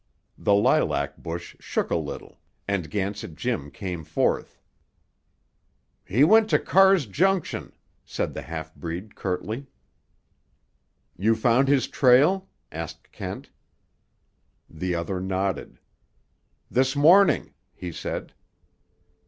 The lilac bush shook a little, and Gansett Jim came forth. "He went to Carr's Junction," said the half breed curtly. "You found his trail?" asked Kent. The other nodded. "This morning," he said.